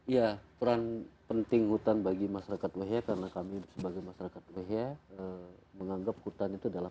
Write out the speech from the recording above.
ya peran penting hutan bagi masyarakat wehea karena kami sebagai masyarakat wehea menganggap hutan itu adalah